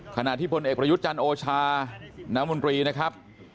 ขณะที่พลเอกประยุทธ์จันทร์โอชาน้ำมนตรีนะครับ